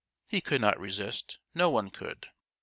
He could not resist ; no one could.